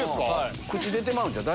口出てまうんちゃう？